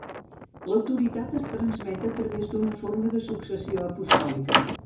L'autoritat es transmet a través d'una forma de successió apostòlica.